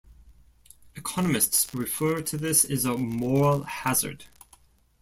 Economists refer to this as a moral hazard.